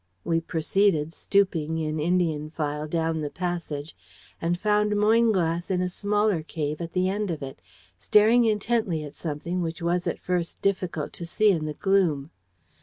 "We proceeded stooping, in Indian file, down the passage, and found Moynglass in a smaller cave at the end of it, staring intently at something which was at first difficult to see in the gloom.